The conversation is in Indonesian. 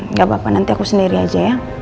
enggak apa apa nanti aku sendiri aja ya